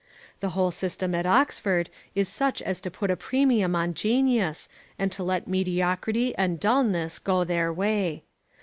The whole system at Oxford is such as to put a premium on genius and to let mediocrity and dulness go their way.